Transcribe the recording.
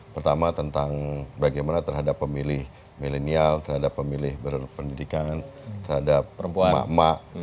pertama tentang bagaimana terhadap pemilih milenial terhadap pemilih berpendidikan terhadap emak emak